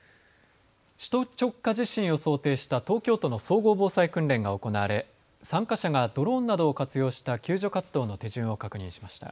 首都直下地震を想定した東京都の総合防災訓練が行われ、参加者がドローンなどを活用した救助活動の手順を確認しました。